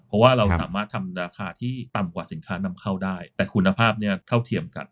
เพราะว่าเราสามารถทำราคาที่ต่ำกว่าสินค้านำเข้าได้แต่คุณภาพเนี่ยเท่าเทียมกัน